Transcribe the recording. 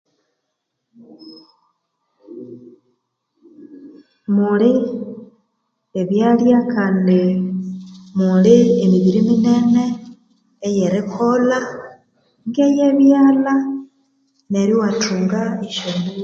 Muli ebyalya kandi muli emibiri minene eyerikolha ngeyebyalha neryo iwathunga esyombulho